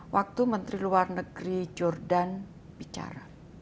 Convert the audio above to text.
waktu menteri luar negeri jordan bicara